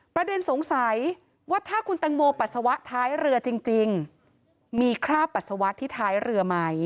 ประเด็นสงสัยว่าถ้าคุณแตงโมปัสสาวะท้ายเรือจริงมีคราบปัสสาวะที่ท้ายเรือไหม